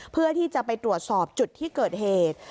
เพื่อที่จะไปตรวจสอบจุดที่เกิดเหตุ